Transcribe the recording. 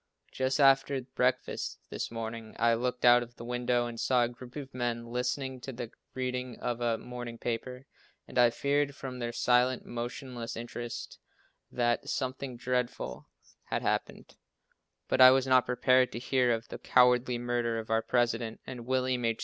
Just after breakfast this morning, I looked out of the window and saw a group of men listening to the reading of a morning paper, and I feared from their silent, motionless interest that something dreadful had happened, but I was not prepared to hear of the cowardly murder of our President. And William H.